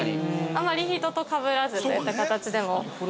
◆あまり人とかぶらずといった形でも。